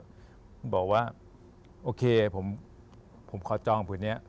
เขาบอกว่าโอเคผมขอจ้องพื้นเนี่ย